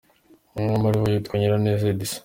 Umwe muri bo witwa Nyiraneza Edissa.